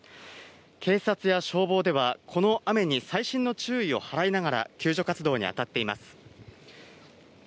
警察や消防ではこの雨に細心の注意を払いながら救助活動に当たっています。